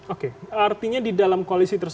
oke artinya di dalam koalisi tersebut